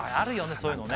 そういうのね